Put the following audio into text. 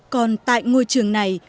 còn tại ngôi trường này